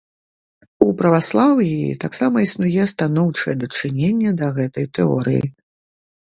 У праваслаўі таксама існуе станоўчае дачыненне да гэтай тэорыі.